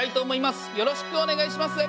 よろしくお願いします。